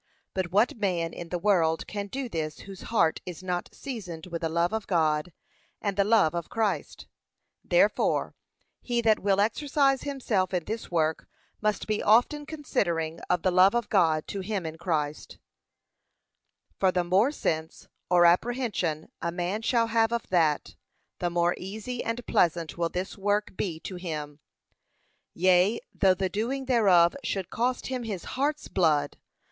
But what man in the world can do this whose heart is not seasoned with the love of God and the love of Christ? Therefore, he that will exercise himself in this work must be often considering of the love of God to him in Christ; for the more sense, or apprehension, a man shall have of that, the more easy and pleasant will this work be to him: yea, though the doing thereof should cost him his heart's blood.